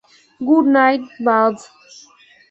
Good night, বায।